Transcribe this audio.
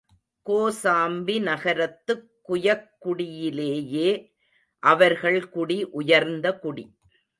கோசாம்பி நகரத்துக் குயக்குடியிலேயே, அவர்கள் குடி உயர்ந்த குடி.